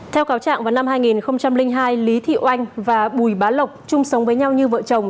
theo cáo trạng vào năm hai nghìn hai lý thị oanh và bùi bá lộc chung sống với nhau như vợ chồng